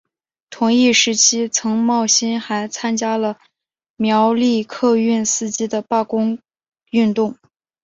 同一时期曾茂兴还参加了苗栗客运司机的罢工运动。